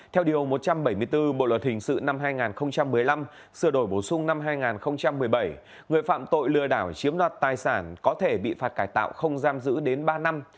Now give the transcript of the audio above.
theo điều một trăm bảy mươi bốn bộ luật hình sự năm hai nghìn một mươi năm sửa đổi bổ sung năm hai nghìn một mươi bảy người phạm tội lừa đảo chiếm đoạt tài sản có thể bị phạt cải tạo không giam giữ đến ba năm